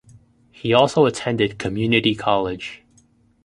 He also attended community college.